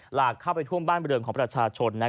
หลากเข้าไปท่วมบ้านบริเวณของประชาชน